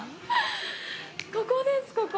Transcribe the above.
ここです、ここ！